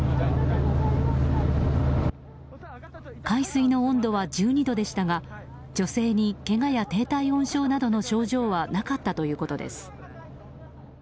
海水の温度は１２度でしたが女性に、けがや低体温症などの症状はなかったということです。